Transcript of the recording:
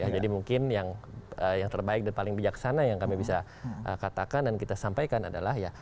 jadi mungkin yang terbaik dan paling bijaksana yang kami bisa katakan dan kita sampaikan adalah ya